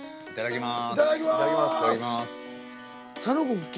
いただきます。